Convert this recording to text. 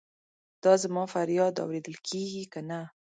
دا زما فریاد اورېدل کیږي کنه؟